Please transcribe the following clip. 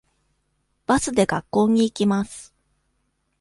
バスで学校に行きます。